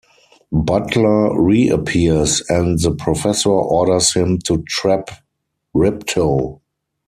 Butler reappears, and the Professor orders him to trap Ripto.